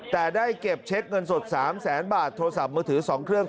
แต่ได้เก็บเช็คเงินสด๓แสนบาทโทรศัพท์มือถือ๒เครื่อง